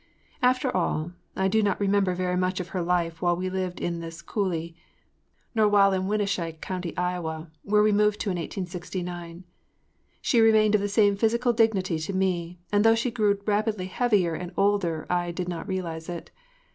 After all, I do not remember very much of her life while we lived in this Coolly—nor while in Winnesheik County, Iowa, whereto we moved in 1869. She remained of the same physical dignity to me, and though she grew rapidly heavier and older I did not realize it.